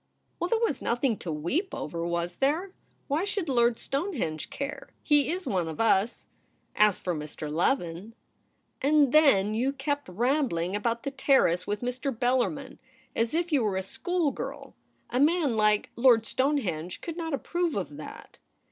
' Well, there was nothing to weep over, was there ? Why should Lord Stonehenge care ? He is one of us. As for Mr. Leven '' And then you kept rambling about the Terrace with Mr. Bellarmin, as if you were a schoolgirl. A man like Lord Stonehenge could not approve of that.'